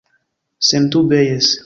Sendube, jes.